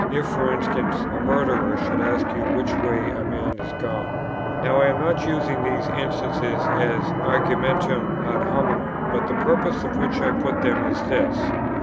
If, for instance, a murderer should ask you which way a man is gone." Now, I am not using these instances as an argumentum ad hominem; but the purpose to which I put them is this: 1.